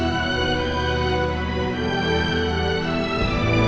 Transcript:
mereka juga gak bisa pindah sekarang